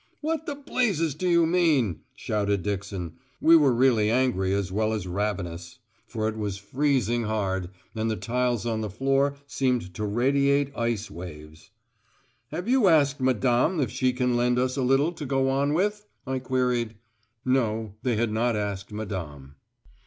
"What the blazes do you mean?" shouted Dixon. We were really angry as well as ravenous; for it was freezing hard, and the tiles on the floor seemed to radiate ice waves. "Have you asked Madame if she can lend us a little to go on with?" I queried. No, they had not asked Madame.